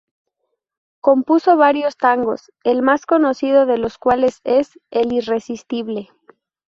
Compuso varios tangos, el más conocido de los cuales es "El irresistible".